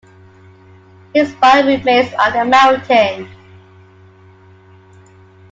His body remains on the mountain.